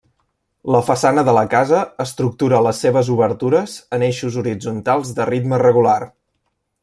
La façana de la casa estructura les seves obertures en eixos horitzontals de ritme regular.